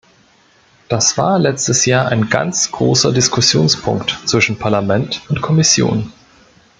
Das war letztes Jahr ein ganz großer Diskussionspunkt zwischen Parlament und Kommission.